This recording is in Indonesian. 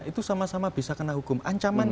itu sama sama bisa kena hukum ancaman